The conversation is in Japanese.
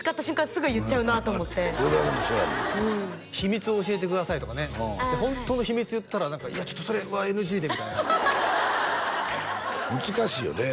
すぐ言っちゃうなと思って俺らでもそうやもんうん秘密を教えてくださいとかねホントの秘密言ったら何か「いやちょっとそれはＮＧで」みたいな難しいよね